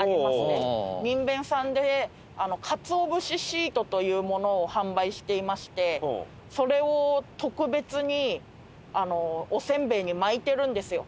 にんべんさんで鰹節シートというものを販売していましてそれを特別にあのおせんべいに巻いてるんですよ。